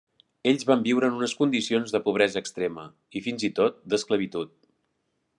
Ells van viure en unes condicions de pobresa extrema i fins i tot d'esclavitud.